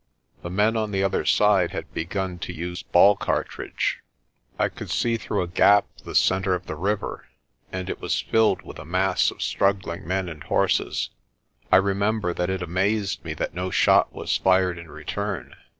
The men on the other side had begun to use ball cartridge. I could see through a gap the centre of the river, and it was filled with a mass of struggling men and horses. I remember that it amazed me that no shot was fired in return.